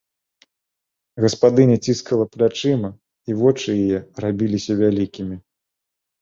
Гаспадыня ціскала плячыма, і вочы яе рабіліся вялікімі.